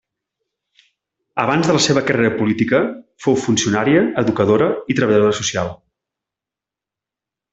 Abans de la seva carrera política fou funcionària, educadora i treballadora social.